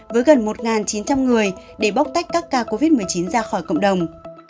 với gần một chín trăm linh người để bóc tách các ca covid một mươi chín ra khỏi cộng đồng